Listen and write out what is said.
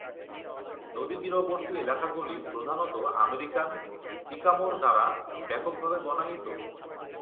নদীতীরবর্তী এলাকাগুলি প্রধানত আমেরিকান সিকামোর দ্বারা ব্যাপকভাবে বনায়িত।